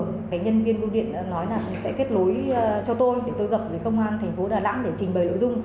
cái nhân viên vô điện nói là sẽ kết lối cho tôi để tôi gặp với công an thành phố đà lẵng để trình bày nội dung